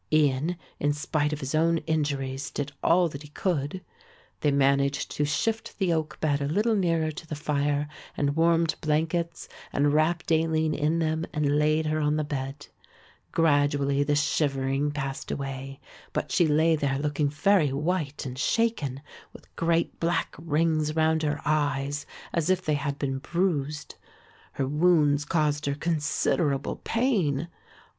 Ian in spite of his own injuries did all that he could. They managed to shift the oak bed a little nearer to the fire and warmed blankets and wrapped Aline in them and laid her on the bed. Gradually the shivering passed away, but she lay there looking very white and shaken, with great black rings round her eyes, as if they had been bruised. Her wounds caused her considerable pain.